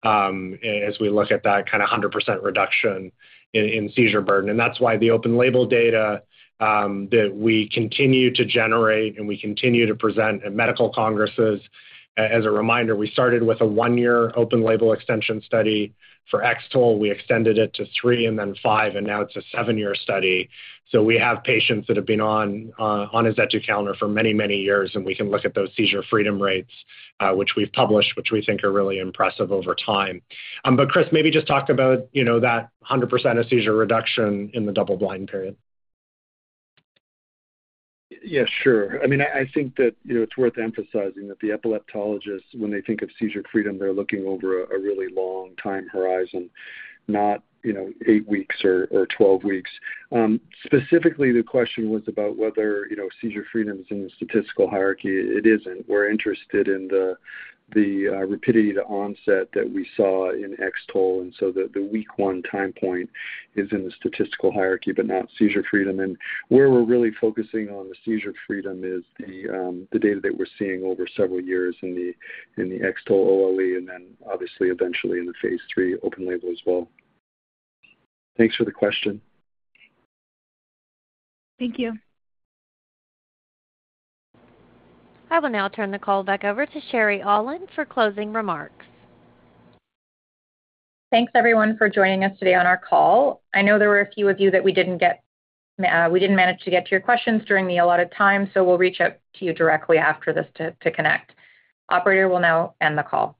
as we look at that kind of 100% reduction in seizure burden. That's why the open-label data that we continue to generate and we continue to present at medical congresses is important. As a reminder, we started with a one-year open-label extension study for XTOL. We extended it to three and then five. Now it's a seven-year study. We have patients that have been on Azetukalner for many, many years. We can look at those seizure-freedom rates, which we've published, which we think are really impressive over time. Chris, maybe just talk about that 100% of seizure reduction in the double-blind period. Yeah, sure. I mean, I think that it's worth emphasizing that the epileptologists, when they think of seizure-freedom, they're looking over a really long time horizon, not eight weeks or 12 weeks. Specifically, the question was about whether seizure-freedom is in the statistical hierarchy. It isn't. We're interested in the rapidity to onset that we saw in XTOL. The week one time point is in the statistical hierarchy, but not seizure-freedom. Where we're really focusing on the seizure-freedom is the data that we're seeing over several years in the XTOL OLE and then obviously eventually in the phase three open-label as well. Thanks for the question. Thank you. I will now turn the call back over to Sherry Allen for closing remarks. Thanks, everyone, for joining us today on our call. I know there were a few of you that we didn't manage to get to your questions during the allotted time. So we'll reach out to you directly after this to connect. Operator will now end the call.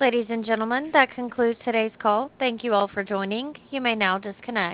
Ladies and gentlemen, that concludes today's call. Thank you all for joining. You may now disconnect.